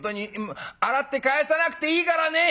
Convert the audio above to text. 洗って返さなくていいからね」。